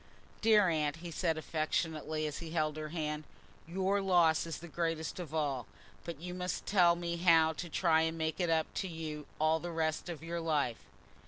"Dear Aunt," he said affectionately, as he held her hand, "your loss is the greatest of all, but you must tell me how to try and make it up to you all the rest of your life."